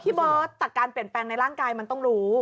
เบิร์ตแต่การเปลี่ยนแปลงในร่างกายมันต้องรู้